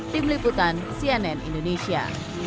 tim liputan cnn indonesia